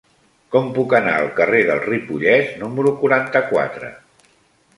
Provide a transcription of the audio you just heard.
Com puc anar al carrer del Ripollès número quaranta-quatre?